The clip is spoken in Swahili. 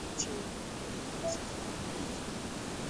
Ni nchi inayoongoza kwa usafi barani Afrika